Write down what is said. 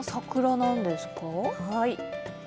はい。